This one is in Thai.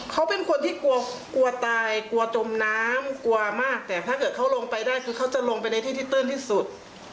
เขาจะลงไปในที่ที่ตื้นที่สุด